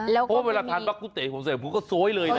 แล้วก็ไม่มีพอเวลาทานบากุเตะผมเสิร์ฟผมก็โซ๊ยเลยนะ